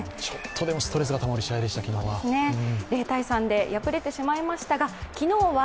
ちょっとでも、ストレスがたまる試合でした、昨日は。